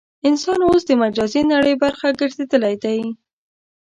انسان اوس د مجازي نړۍ برخه ګرځېدلی دی.